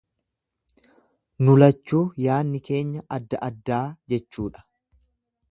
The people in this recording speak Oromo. Nu lachuu yaanni keenya adda addaa jechuudha.